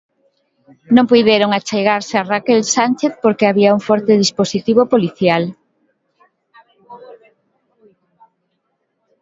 Non puideron achegarse a Raquel Sánchez porque había un forte dispositivo policial.